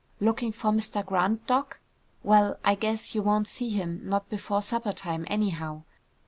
"Looking for Mr. Grant, Doc.? Well, I guess you won't see him; not before supper time, anyhow.